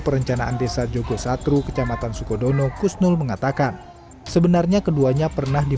perencanaan desa jogosatru kecamatan sukodono kusnul mengatakan sebenarnya keduanya pernah di